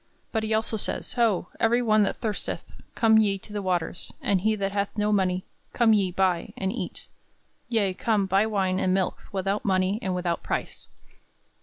But he also says, "Ho, every one that thirsteth, come ye to the waters, and he that hath no money; come ye, buy, and eat; yea, come, buy wine and milk without money and without price."